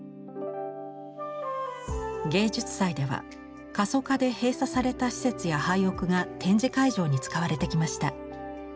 芸術祭では過疎化で閉鎖された施設や廃屋が展示会場に使われてきました。